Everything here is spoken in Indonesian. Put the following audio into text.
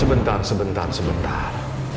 sebentar sebentar sebentar